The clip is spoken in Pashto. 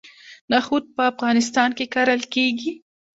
نخود په افغانستان کې کرل کیږي.